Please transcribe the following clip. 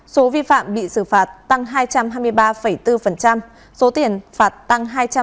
số vi phạm bị xử phạt tăng hai trăm hai mươi ba bốn số tiền phạt tăng hai trăm sáu mươi